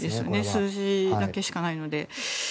数字だけしかないので。